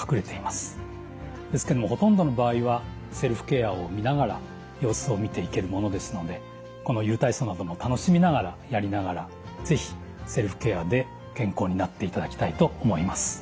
ですけどもほとんどの場合はセルフケアを見ながら様子を見ていけるものですのでこのゆる体操なども楽しみながらやりながら是非セルフケアで健康になっていただきたいと思います。